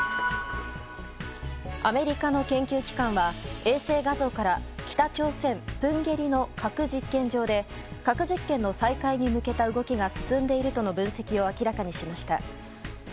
アメリカの研究機関は衛星画像から北朝鮮プンゲリの核実験場で核実験の再開に向けた動きが進んでいるとの分析を明らかにしました。